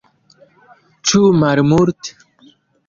Ĉu malmulte?